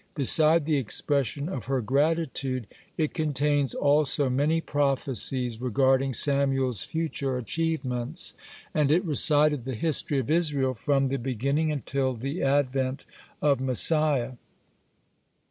Beside the expression of her gratitude, it contains also many prophecies regarding Samuel's future achievements, and it recited the history of Israel from the beginning until the advent of Messiah.